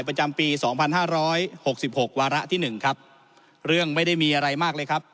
ประจำปี๒๕๖๖วาระที่๑ครับ